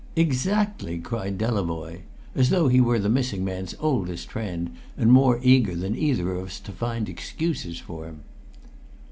"Exactly!" cried Delavoye, as though he were the missing man's oldest friend and more eager than either of us to find excuses for him.